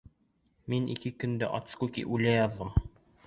Мин ике көндә от скуки үлә яҙҙым...